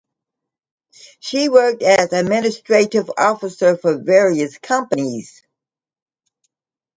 She worked as administrative officer for various companies.